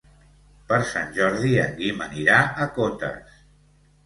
Per Sant Jordi en Guim anirà a Cotes.